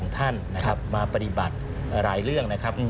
ท่านนะครับมาปฏิบัติหลายเรื่องนะครับ